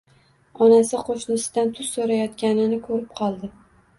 Onasi qoʻshnisidan tuz soʻrayotganini koʻrib qoldi